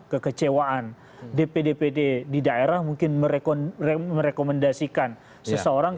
kekecewaan dpd pd di daerah mungkin merekomendasikan seseorang